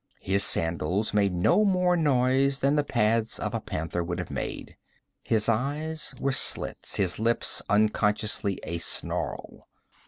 His sandals made no more sound than the pads of a panther would have made; his eyes were slits, his lips unconsciously asnarl.